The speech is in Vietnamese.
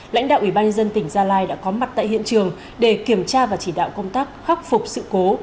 lãnh đạo ủy ban dân tỉnh gia lai đã có mặt tại hiện trường để kiểm tra và chỉ đạo công tác khắc phục sự cố